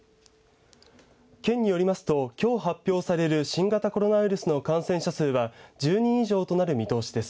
県によりますときょう発表される新型コロナウイルスの感染者数は１０人以上となる見通しです。